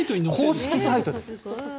公式サイトです。